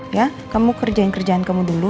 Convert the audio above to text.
ya kamu kerjain kerjaan kamu dulu